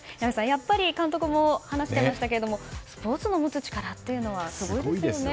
やっぱり監督も話していましたけどスポーツの持つ力ってすごいですよね。